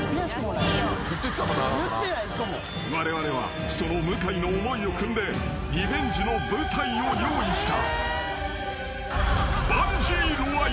［われわれはその向井の思いを酌んでリベンジの舞台を用意した］